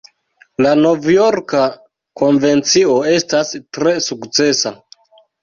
La Novjorka Konvencio estas tre sukcesa.